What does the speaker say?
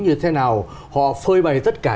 như thế nào họ phơi bày tất cả